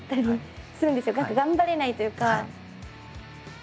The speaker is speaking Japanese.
頑張れないというか。